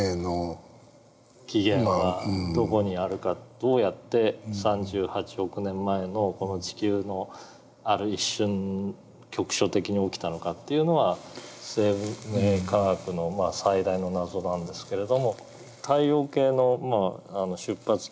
どうやって３８億年前のこの地球のある一瞬局所的に起きたのかっていうのは生命科学の最大の謎なんですけれども太陽系の出発点